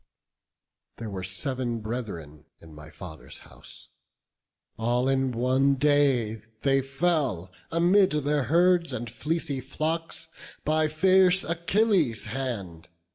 There were sev'n brethren in my father's house; All in one day they fell, amid their herds And fleecy flocks, by fierce Achilles' hand.